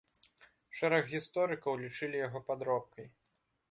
Шэраг гісторыкаў лічылі яго падробкай.